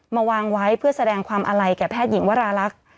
มาวางไว้เพื่อแสดงความอาลัยแก่แพทย์หญิงวราลักษณ์